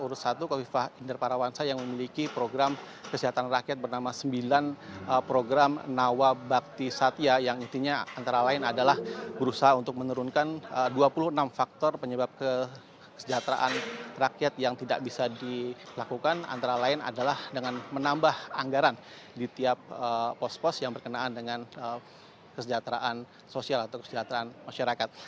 urus satu kofifah inderparawansa yang memiliki program kesejahteraan rakyat bernama sembilan program nawa bakti satya yang intinya antara lain adalah berusaha untuk menurunkan dua puluh enam faktor penyebab kesejahteraan rakyat yang tidak bisa dilakukan antara lain adalah dengan menambah anggaran di tiap pos pos yang berkenaan dengan kesejahteraan sosial atau kesejahteraan masyarakat